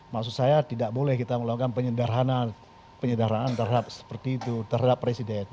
maksud saya tidak boleh kita melakukan penyederhanaan terhadap seperti itu terhadap presiden